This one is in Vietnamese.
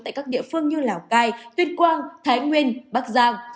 tại các địa phương như lào cai tuyên quang thái nguyên bắc giang